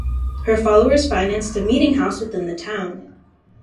Her followers financed a meetinghouse within the town.